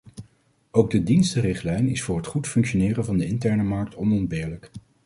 Ook de dienstenrichtlijn is voor het goed functioneren van de interne markt onontbeerlijk.